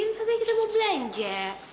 ternyata kita mau belanja